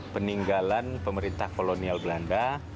peninggalan pemerintah kolonial belanda